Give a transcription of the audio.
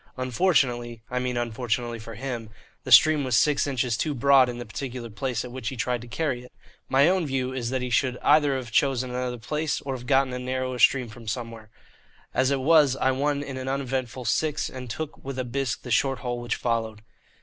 Unfortunately (I mean unfortunately for him) the stream was six inches too broad in the particular place at which he tried to carry it. My own view is that he should either have chosen another place or else have got a narrower stream from somewhere. As it was I won in an uneventful six, and took with a bisque the short hole which followed.